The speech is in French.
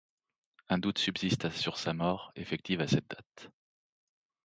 Un doute subsiste sur sa mort effective à cette date.